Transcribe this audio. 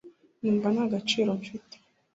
Numva nta gaciro mfite